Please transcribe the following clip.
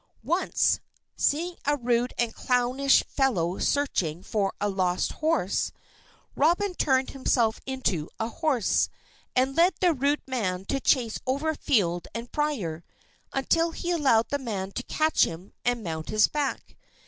Once, seeing a rude and clownish fellow searching for a lost horse, Robin turned himself into a horse, and led the rude man a chase over field and briar, until he allowed the man to catch him and mount his back.